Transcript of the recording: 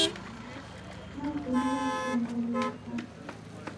Nakunulwa shongolo ni Apa